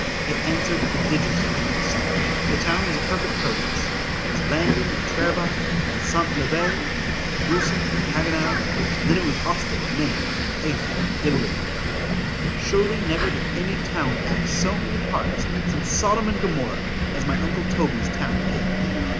——It answered prodigiously the next summer——the town was a perfect Proteus——It was Landen, and Trerebach, and Santvliet, and Drusen, and Hagenau,—and then it was Ostend and Menin, and Aeth and Dendermond. ——Surely never did any TOWN act so many parts, since Sodom and Gomorrah, as my uncle Toby's town did.